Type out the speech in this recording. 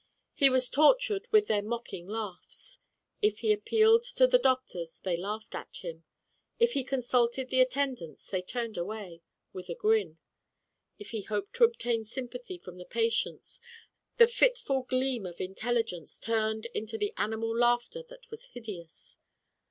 He was tortured with their mocking laughs. If he appealed to the doctors they laughed at him ; if he consulted the attendants they turned away with a grin. If he hoped to obtain sympathy from the patients, the fitful gleam of intelligence turned into the animal laughter that was hideous.